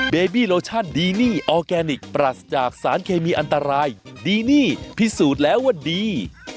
เบบี้โลชั่นดีนี่ออร์แกนิคปรัสจากสารเคมีอันตรายดีนี่พิสูจน์แล้วว่าดี